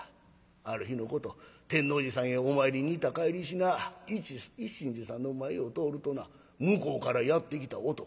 ある日のこと天王寺さんへお参りに行った帰りしな一心寺さんの前を通るとな向こうからやって来た男